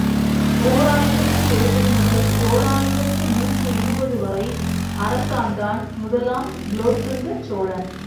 ஓர் ஆயிரத்து எழுபது முதல், ஓர் ஆயிரத்து நூற்றி இருபது வரை அரசாண்டான் முதலாம் குலோத்துங்க சோழன்.